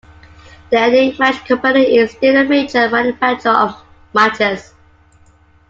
The Eddy Match Company is still a major manufacturer of matches.